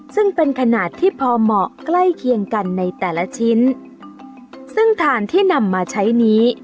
ซึ่งเป็นขนาดที่พอเหมาะใกล้เคียงกันในแต่ละชิ้นซึ่งถ่านที่นำมาใช้นี้